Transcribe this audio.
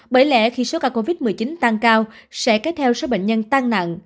bởi lẽ khi số ca covid một mươi chín tăng cao sẽ kéo theo số bệnh nhân tăng nặng